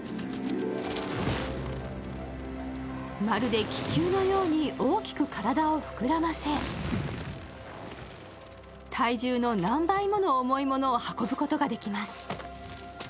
まるで気球のように大きく体を膨らませ体重の何倍もの重いものを運ぶことができます。